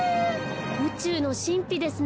うちゅうのしんぴですね。